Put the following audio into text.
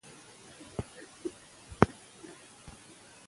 په لومړۍ ماده کي مهاراجا ته ډیر امتیازات ورکړل شول.